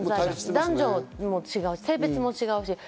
男女も違う、性別も違う。